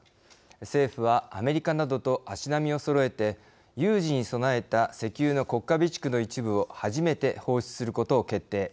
政府は、アメリカなどと足並みをそろえて有事に備えた石油の国家備蓄の一部を初めて放出することを決定。